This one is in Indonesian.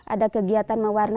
ada kegiatan mewarnai